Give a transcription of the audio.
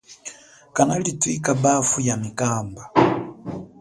Kanali thwika bafu ya mikamba.